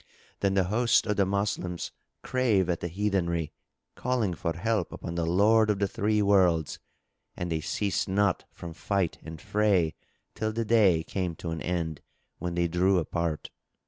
Then the host of the Moslems drave at the heathenry, calling for help upon the Lord of the three Worlds, and they ceased not from fight and fray till the day came to an end, when they drew apart.